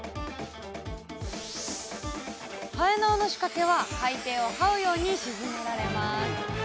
延縄の仕掛けは海底をはうように沈められます。